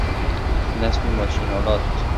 نصب ماشینآلات